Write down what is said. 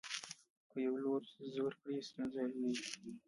که یو لور زور کړي ستونزه لویېږي.